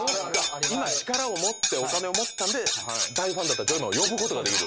今力を持ってお金を持ったんで大ファンだったジョイマンを呼ぶことができる。